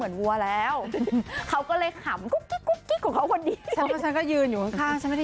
มีความสุขดีวิธีชีวิตแบบสบาย